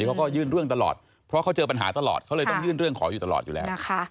เขาก็ยื่นเรื่องตลอดเพราะเขาเจอปัญหาตลอดเขาเลยต้องยื่นเรื่องขออยู่ตลอดอยู่แล้วนะคะ